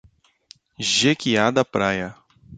Jequiá da Praia